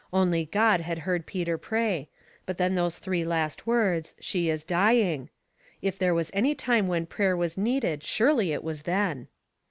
Only God had heard Peter pray ; but then those three last words, " she is dying.''^ If there was any time when prayer was needed surely it was then.